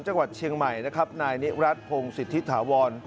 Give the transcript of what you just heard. จังหวัดเชียงใหม่นะครับนายนิรัติพงศิษฐิถาวร